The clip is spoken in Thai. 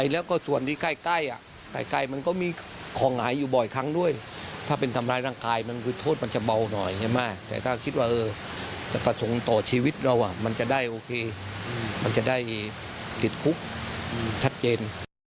แล้วก็ส่วนที่ใกล้ใกล้มันก็มีของหายอยู่บ่อยครั้งด้วยถ้าเป็นทำร้ายร่างกายมันคือโทษมันจะเบาหน่อยใช่ไหมแต่ถ้าคิดว่าจะประสงค์ต่อชีวิตเรามันจะได้โอเคมันจะได้ติดคุกชัดเจน